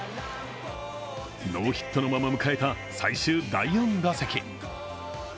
ノーヒットのまま迎えた最終第４打席。